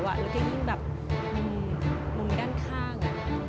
เราก็ยิ่งยิ่งด้านข้าง